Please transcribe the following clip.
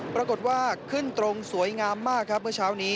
ปรากฏว่าขึ้นตรงสวยงามมากครับเมื่อเช้านี้